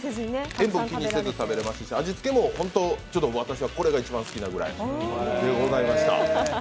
塩分気にせず食べれますし、味つけも、私はこれが一番好きなぐらいでございました。